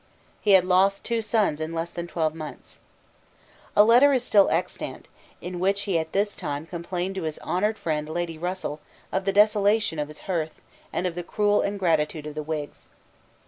He had lost two sons in less than twelve months. A letter is still extant, in which he at this time complained to his honoured friend Lady Russell of the desolation of his hearth and of the cruel ingratitude of the Whigs.